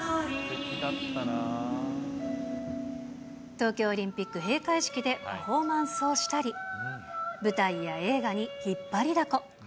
東京オリンピック閉会式でパフォーマンスをしたり、舞台や映画に引っ張りだこ。